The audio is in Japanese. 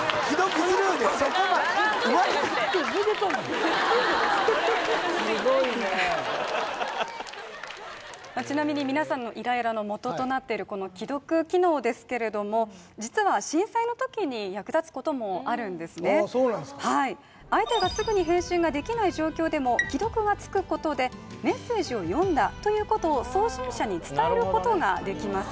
・すごいねちなみにみなさんのイライラのもととなってるこの既読機能ですけれども実はああそうなんですかはい相手がすぐに返信ができない状況でも既読がつくことでメッセージを読んだということを送信者に伝えることができます